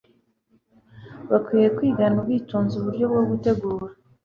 bakwiriye kwigana ubwitonzi uburyo bwo gutegura